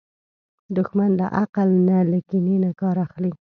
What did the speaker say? دښمن له عقل نه، له کینې نه کار اخلي